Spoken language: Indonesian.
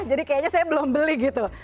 jadi kayaknya saya belum beli gitu